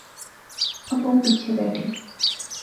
او بہوں پیچھے بیٹھی